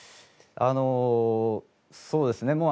あのそうですね